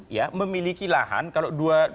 ya memiliki lahan kalau